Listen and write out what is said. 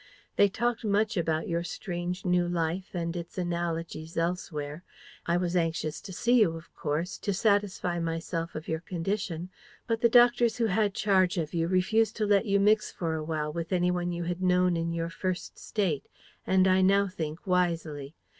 They talked much about your strange new life and its analogies elsewhere. I was anxious to see you, of course, to satisfy myself of your condition; but the doctors who had charge of you refused to let you mix for a while with anyone you had known in your First State; and I now think wisely.